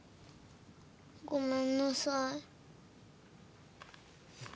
ごめんなさい。